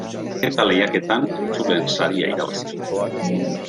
Maketa Lehiaketan Entzuleen Saria irabazi zuten.